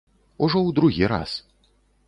Ужо ў другі раз.